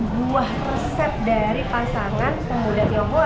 buah resep dari pasangan pemuda tionghoa